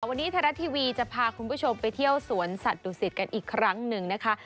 วันนี้ไทยรัฐทีวีจะพาคุณผู้ชมไปเที่ยวสวนสัตว์ดุสิตกันอีกครั้งหนึ่งนะคะ